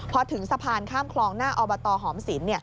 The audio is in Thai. พอถึงสะพานข้ามคลองหน้าอบตหอมศิลป